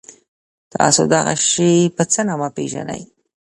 تاسو دغه شی په څه نامه پيژنی؟